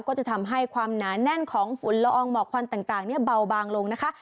ก็จะทำให้ความหนาแน่นของฝุ่นละอองหมอกควันต่างเนี่ยเบาบางลงนะคะ